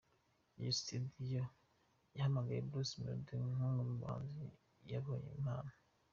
Iyo studio yahamagaye Bruce Melody nk’umwe mubahanzi yabonyeho impano.